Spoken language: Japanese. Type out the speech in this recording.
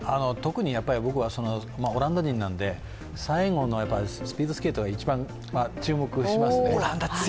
特に僕はオランダ人なので、最後のスピードスケートは一番注目しますね。